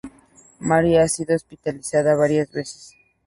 Mary ha sido hospitalizada varias veces.